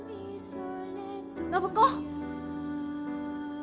暢子！